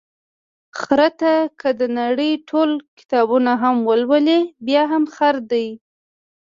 خره ته که د نړۍ ټول کتابونه هم ولولې، بیا هم خر دی.